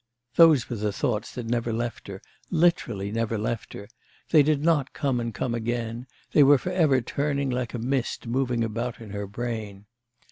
Those were the thoughts that never left her, literally never left her; they did not come and come again; they were for ever turning like a mist moving about in her brain.